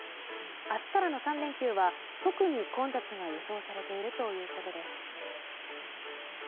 明日からの３連休は、特に混雑が予想されているということです。